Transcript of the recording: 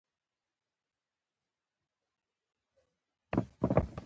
د بدن د پړسوب لپاره د څه شي اوبه وڅښم؟